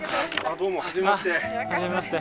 どうも初めまして。